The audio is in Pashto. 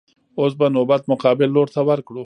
اوس به نوبت مقابل لور ته ورکړو.